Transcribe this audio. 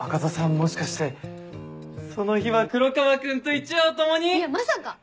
もしかしてその日は黒川君と一夜を共に⁉いやまさか！